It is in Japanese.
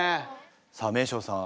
さあ名生さん